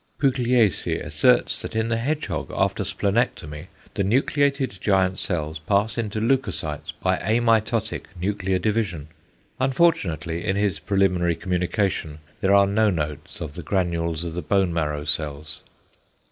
Pugliese asserts that in the hedgehog after splenectomy the nucleated giant cells pass into leucocytes by amitotic nuclear division. Unfortunately in his preliminary communication there are no notes of the granules of the bone marrow cells.